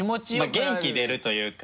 元気出るというか。